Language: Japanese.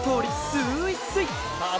スイスイ